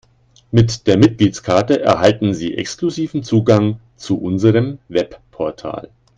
Mit der Mitgliedskarte erhalten Sie exklusiven Zugang zu unserem Webportal.